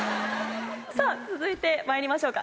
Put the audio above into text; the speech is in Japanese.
さぁ続いてまいりましょうか。